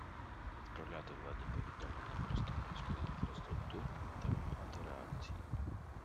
Відправляти владі повідомлення про стан міської інфраструктури та вимагати реакції.